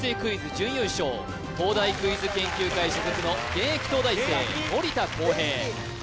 準優勝東大クイズ研究会所属の現役東大生森田晃平現役？